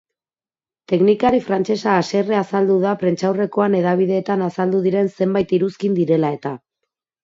Teknikari frantsesa haserre azaldu da prentsaurrekoan hedabideetan azaldu diren zenbait iruzkin direla-eta.